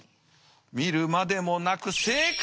見るまでもなく正解。